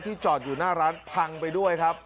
จอดอยู่หน้าร้านพังไปด้วยครับ